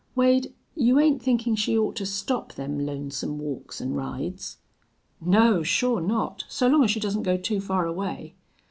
Wade, you ain't thinkin' she ought to stop them lonesome walks an' rides?" "No, sure not, so long as she doesn't go too far away."